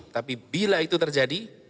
tapi bila itu terjadi